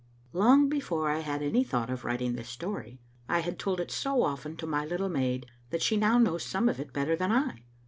Long before I had any thought of writing thi« story, I had told it so often to my little maid that she now knows some of it better than I.